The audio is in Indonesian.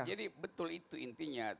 jadi betul itu intinya